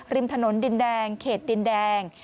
ริมถนนดินแดงเขตดินแดง